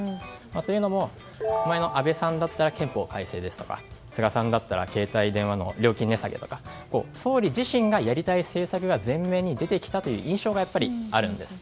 というのも前の安倍さんだったら憲法改正ですとか菅さんだったら携帯電話の料金値下げとか総理自身がやりたい政策が前面に出た印象があるんです。